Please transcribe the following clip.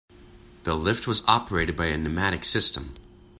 The lift was operated by a pneumatic system.